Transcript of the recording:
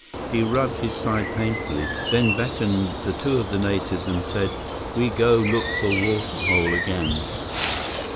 He rubbed his side painfully, then beckoned to two of the natives and said, "We go look for water hole again."